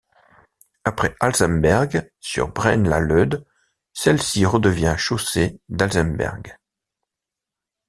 Après Alsemberg, sur Braine-l'Alleud, celle-ci redevient chaussée d'Alsemberg.